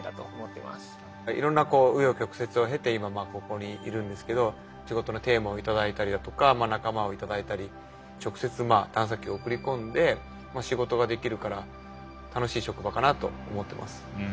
いろんな紆余曲折を経て今ここにいるんですけど仕事のテーマを頂いたりだとか仲間を頂いたり直接探査機を送り込んで仕事ができるから楽しい職場かなと思ってます。